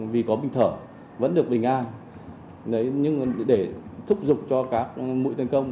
vì có bình thở vẫn được bình an nhưng để thúc giục cho các mũi tấn công